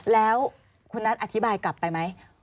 แล้วคุณนัทอธิบายกลับไปไหม